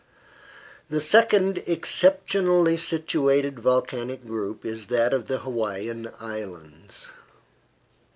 The second exceptionally situated volcanic group is that of the Hawaiian Islands.